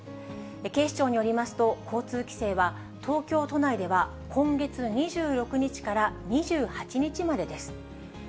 警視庁によりますと、交通規制は東京都内では今月２６日から２８日までです。